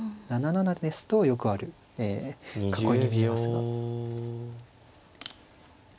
７七ですとよくある囲いに見えますが。